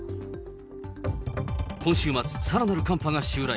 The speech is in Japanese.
今週末、さらなる寒波が襲来。